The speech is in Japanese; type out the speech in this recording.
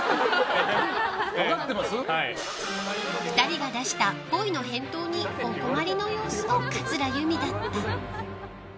２人が出したっぽいの返答にお困りの様子の桂由美だった。